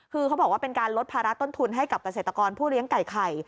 คือเขาบอกว่าเป็นการลดภาระต้นทุนให้กับเกษตรกรผู้เลี้ยงไก่ไข่